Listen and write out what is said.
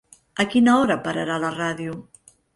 A quina hora pararà la ràdio?